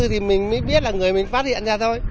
thì mình mới biết là người mình phát hiện ra thôi